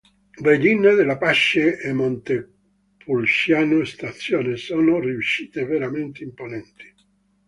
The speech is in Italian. Regina della Pace a Montepulciano Stazione sono riuscite veramente imponenti.